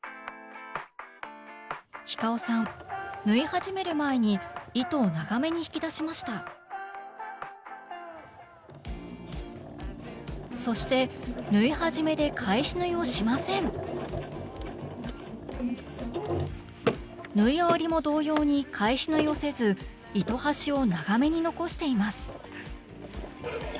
ｈｉｃａｏさん縫い始める前に糸を長めに引き出しましたそして縫い始めで返し縫いをしません縫い終わりも同様に返し縫いをせず糸端を長めに残しています